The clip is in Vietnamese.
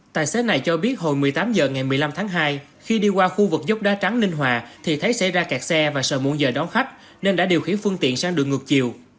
tài xế này cho biết hồi một mươi tám h ngày một mươi năm tháng hai khi đi qua khu vực dốc đá trắng ninh hòa thì thấy xe ra cạt xe và sợ muộn giờ đón khách nên đã điều khiển phương tiện sang đường ngược chiều